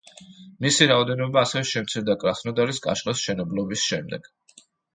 მისი რაოდენობა ასევე შემცირდა კრასნოდარის კაშხლის მშენებლობის შემდეგ.